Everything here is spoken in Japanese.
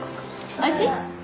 おいしい。